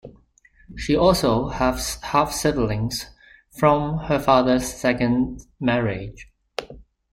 She also has half-siblings from her father's second marriage.